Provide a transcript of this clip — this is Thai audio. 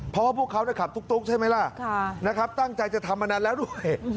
เพราะว่าพวกเขาขับตุ๊กใช่ไหมล่ะนะครับตั้งใจจะทำมานานแล้วด้วย